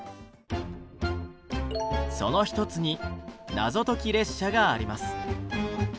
その一つに「謎解列車」があります。